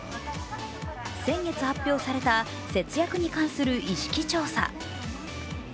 先月発表された節約に関する意識調査。